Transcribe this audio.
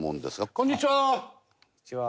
こんにちは。